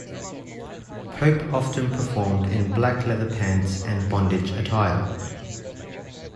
Pope often performed in black leather pants and bondage attire.